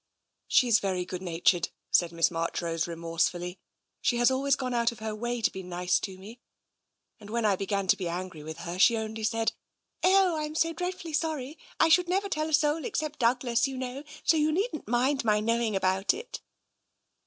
" She is very good natured," said Miss Marchrose re morsefully. " She has always gone out of her way to be nice to me, and when I began to be angry with her she only said, * Oh, Tm so dreadfully sorry ; I should never tell a soul except Douglas, you know, so you needn't mind my knowing about it.